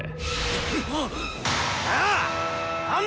ああ！